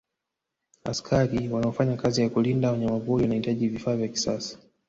askari wanaofanya kazi ya kulinda wanyamapori wanahitaji vifaa vya kisasa